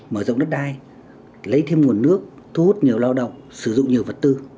mở rộng đất đai lấy thêm nguồn nước thu hút nhiều lao động sử dụng nhiều vật tư